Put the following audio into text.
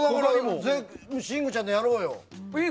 信五ちゃんのやろうよ。